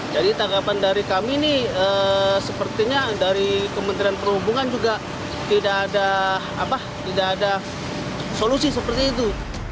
jadi tanggapan dari kami ini sepertinya dari kementerian perhubungan juga tidak ada solusi seperti itu